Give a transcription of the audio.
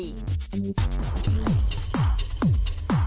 อย่างนั้นตัวเป็นปริศนาสำเร็จให้หลักศักดิ์